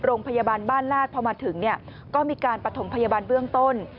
โรงพยาบาลบ้านลาดพอมาถึงเนี่ยก็มีการประถมพยาบาลเบื้องต้น